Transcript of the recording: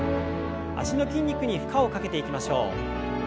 脚の筋肉に負荷をかけていきましょう。